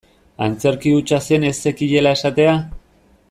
Antzerki hutsa zen ez zekiela esatea?